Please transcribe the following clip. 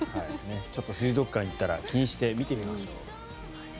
ちょっと水族館に行ったら気にして見てみましょう。